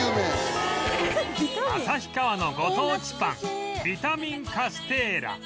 旭川のご当地パンビタミンカステーラ